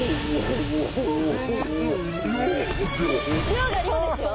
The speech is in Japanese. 量が量ですよ。